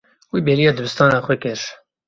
Wî bêriya dibistana xwe kir.